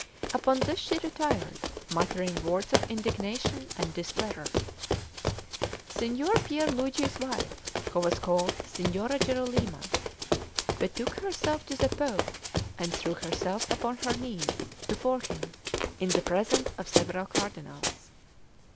Upon this she retired, muttering words of indignation and displeasure. Signor Pier Luigi's wife, who was called Signora Jerolima, betook herself to the Pope, and threw herself upon her knees before him in the presence of several cardinals.